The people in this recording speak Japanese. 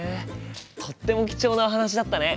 とっても貴重なお話だったね。